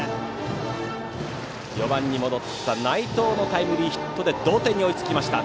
４番に戻った内藤のタイムリーヒットで同点に追いつきました。